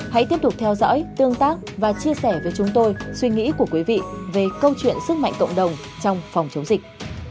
hãy tiếp tục theo dõi tương tác và chia sẻ với chúng tôi suy nghĩ của quý vị về câu chuyện sức mạnh cộng đồng trong phòng chống dịch